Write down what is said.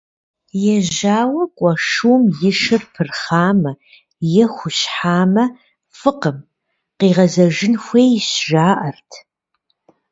Ежьауэ кӀуэ шум и шыр пырхъамэ е хущхьамэ, фӀыкъым, къигъэзэжын хуейщ, жаӀэрт.